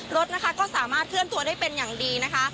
รถนะคะก็สามารถเคลื่อนตัวได้เป็นอย่างดีนะคะ